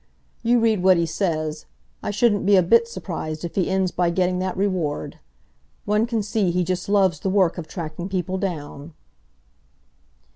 You read what he says—I shouldn't be a bit surprised if he ends by getting that reward! One can see he just loves the work of tracking people down."